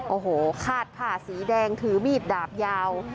โอ้โหคาดผ้าสีแดงถือมีดดาบยาว